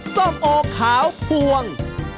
ส้มโอขาวพวง